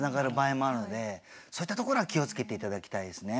そういったところは気を付けていただきたいですね。